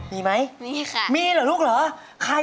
มีไหมมีค่ะ